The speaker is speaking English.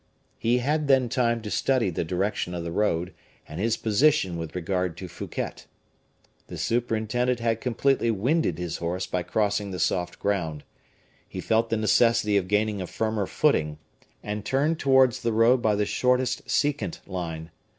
He had then time to study the direction of the road, and his position with regard to Fouquet. The superintendent had completely winded his horse by crossing the soft ground. He felt the necessity of gaining a firmer footing, and turned towards the road by the shortest secant line.